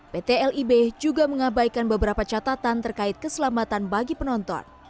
pt lib juga mengabaikan beberapa catatan terkait keselamatan bagi penonton